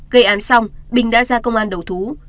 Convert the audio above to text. gây án xong bình đã ra công an đầu thú